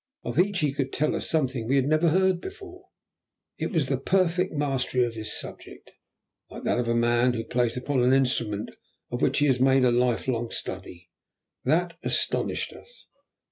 Of each he could tell us something we had never heard before. It was the perfect mastery of his subject, like that of a man who plays upon an instrument of which he has made a lifelong study, that astonished us.